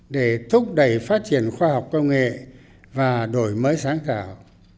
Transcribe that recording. để thúc đẩy phát triển khoa học công nghệ và đổi mới sáng tạo